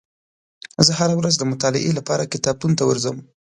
زه هره ورځ د مطالعې لپاره کتابتون ته ورځم.